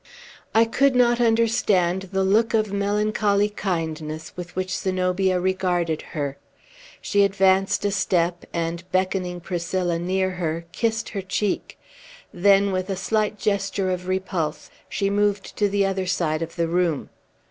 I could not understand the look of melancholy kindness with which Zenobia regarded her. She advanced a step, and beckoning Priscilla near her, kissed her cheek; then, with a slight gesture of repulse, she moved to the other side of the room.